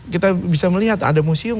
kita bisa melihat ada museum